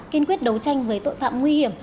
kiên quyết đấu tranh với tội phạm nguy hiểm